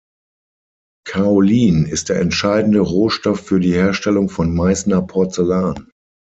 Kaolin ist der entscheidende Rohstoff für die Herstellung von Meißner Porzellan.